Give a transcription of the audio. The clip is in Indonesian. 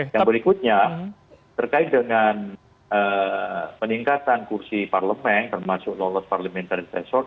yang berikutnya terkait dengan peningkatan kursi parlemen termasuk lolos parliamentary threshold